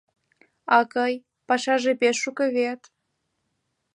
— Акый, пашаже пеш шуко вет?